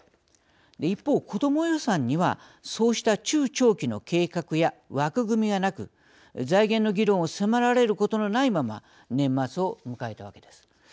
一方、子ども予算にはそうした中長期の計画や枠組みがなく財源の議論を迫られることもないまま年末を迎えたわけです。